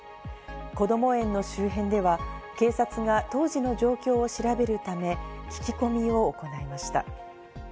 こども園の周辺では警察が当時の状況を調べるため、聞き込みを行いました。